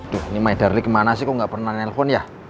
duh ini my darlik kemana sih kok gak pernah nelfon ya